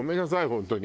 本当に。